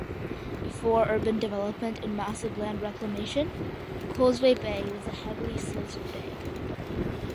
Before urban development and massive land reclamation, Causeway Bay was a heavily silted bay.